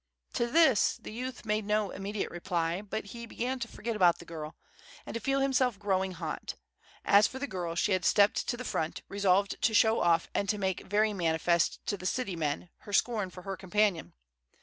To this the youth made no immediate reply; but he began to forget about the girl, and to feel himself growing hot. As for the girl, she had stepped to the front, resolved to "show off" and to make very manifest to the city men her scorn for her companion.